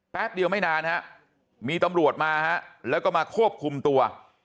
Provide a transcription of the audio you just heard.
เดียวไม่นานฮะมีตำรวจมาฮะแล้วก็มาควบคุมตัว